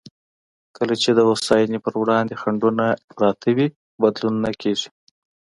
کله چې د هوساینې پر وړاندې خنډونه پراته وي، بدلون نه کېږي.